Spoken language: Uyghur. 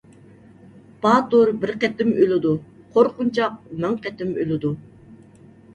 باتۇر بىر قېتىم ئۆلىدۇ، قورقۇنچاق مىڭ قېتىم ئۆلىدۇ.